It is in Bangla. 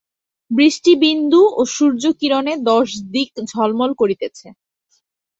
বৃষ্টিবিন্দু ও সূর্যকিরণে দশ দিক ঝলমল করিতেছে।